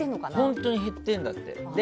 本当に減っているんだって。